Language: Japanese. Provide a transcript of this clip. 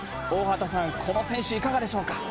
大畑さん、この選手いかがでしょうか。